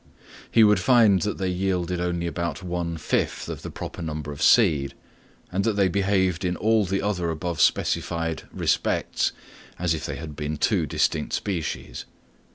He would find that they yielded only about one fifth of the proper number of seed, and that they behaved in all the other above specified respects as if they had been two distinct species.